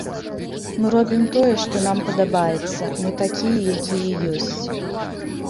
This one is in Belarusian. Мы робім тое, што нам падабаецца, мы такія, якія ёсць.